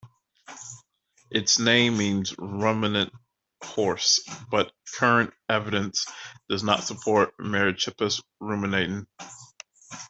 Its name means "ruminant horse", but current evidence does not support "Merychippus" ruminating.